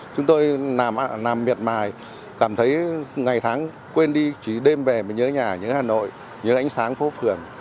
chúng tôi làm miệt mài cảm thấy ngày tháng quên đi chỉ đêm về mới nhớ nhà nhớ hà nội nhớ ánh sáng phố phường